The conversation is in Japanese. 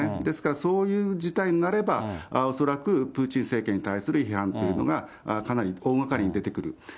ですから、そういう事態になれば、恐らくプーチン政権に対する批判というのが、かなり大がかりに出てくる。